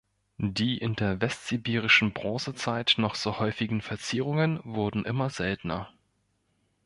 Die in der westsibirischen Bronzezeit noch so häufigen Verzierungen wurden immer seltener.